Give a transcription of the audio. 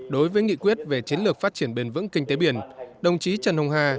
đối với nghị quyết về chiến lược phát triển bền vững kinh tế biển đồng chí trần hồng hà